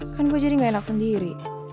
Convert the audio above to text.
kan gue jadi gak enak sendiri